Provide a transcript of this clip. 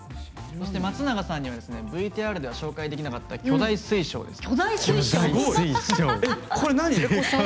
松永さんにはＶＴＲで紹介できなかった巨大水晶です。